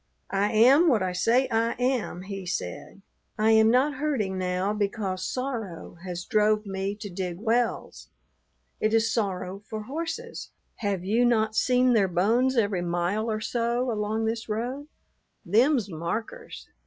"I am what I say I am," he said. "I am not herding now because sorrow has drove me to dig wells. It is sorrow for horses. Have you not seen their bones every mile or so along this road? Them's markers.